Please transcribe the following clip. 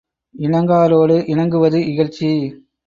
இணங்காரோடு இணங்குவது இகழ்ச்சி.